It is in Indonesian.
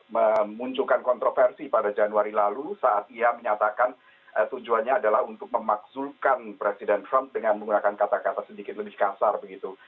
memunculkan kontroversi pada januari lalu saat ia menyatakan tujuannya adalah untuk memakzulkan presiden trump dengan menggunakan kata kata sedikit lebih kasar begitu